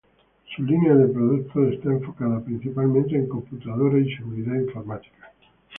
Su línea de productos está enfocada principalmente en computadores y seguridad informática.